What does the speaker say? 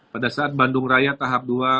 pada saat bandung raya tahap dua